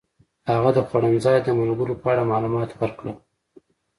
هغه د خوړنځای د ملګرو په اړه معلومات ورکړل.